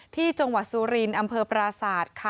ที่จังหวัดสุรินทร์อำเภอปราศาสตร์ค่ะ